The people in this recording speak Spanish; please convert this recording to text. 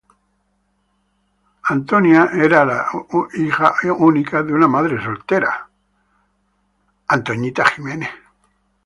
Doi era la única hija de una madre soltera, Evelyn Alderete.